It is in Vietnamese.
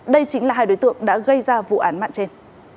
đây chính là hai đối tượng đã gây ra vụ án mạng trên